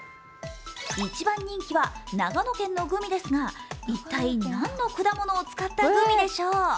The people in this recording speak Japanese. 一番人気は長野県のグミですが一体何の果物を使ったグミでしょう。